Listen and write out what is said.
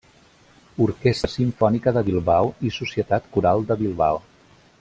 Orquestra Simfònica de Bilbao i Societat Coral de Bilbao.